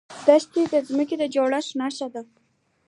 دښتې د ځمکې د جوړښت نښه ده.